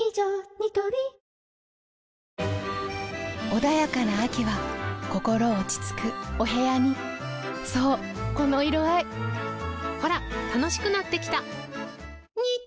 ニトリ穏やかな秋は心落ち着くお部屋にそうこの色合いほら楽しくなってきた！